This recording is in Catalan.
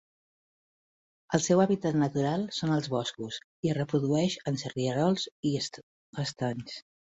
El seu hàbitat natural són els boscos, i es reprodueix en rierols i estanys.